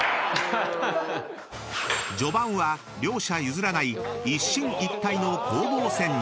［序盤は両者譲らない一進一退の攻防戦に］